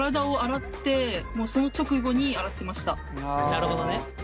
なるほどね。